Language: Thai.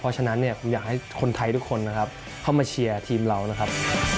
เพราะฉะนั้นผมอยากให้คนไทยทุกคนเข้ามาเชียร์ทีมเรานะครับ